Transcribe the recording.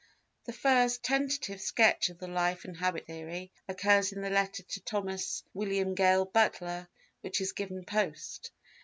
The first tentative sketch of the Life and Habit theory occurs in the letter to Thomas William Gale Butler which is given post.